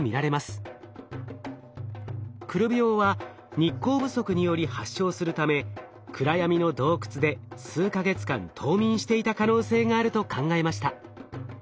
くる病は日光不足により発症するため暗闇の洞窟で数か月間冬眠していた可能性があると考えました。